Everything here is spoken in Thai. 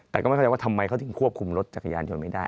แต่ก็ไม่เข้าใจว่าทำไมเขาถึงควบคุมรถจักรยานยนต์ไม่ได้